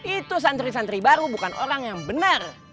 itu santri santri baru bukan orang yang benar